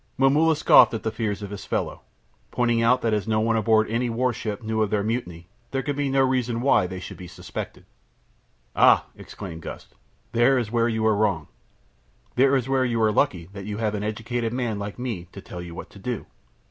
Momulla scoffed at the fears of his fellow, pointing out that as no one aboard any warship knew of their mutiny there could be no reason why they should be suspected. "Ah!" exclaimed Gust, "there is where you are wrong. There is where you are lucky that you have an educated man like me to tell you what to do.